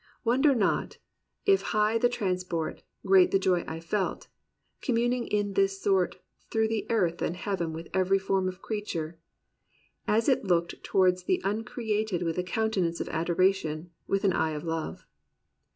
"Wonder not If high the transport, great the joy I felt, Commmiing in this sort through earth and heaven With every form of creature, as it looked Towards the Uncreated with a countenance Of adoration, with an eye of love.